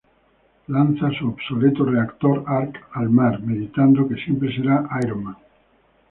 Él lanza su obsoleto Reactor Arc al mar, meditando que siempre será Iron Man.